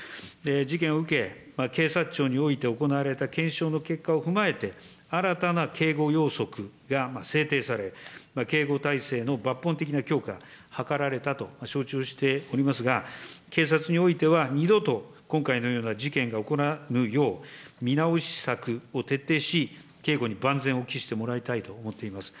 事件を受け、警察庁において行われた検証の結果を踏まえて、新たな警護要則が制定され、警護体制の抜本的な強化が図られたと承知をしておりますが、警察においては、二度と今回のような事件が行われぬよう、見直し策を徹底し、警護に万全を期してもらいたいと思っています。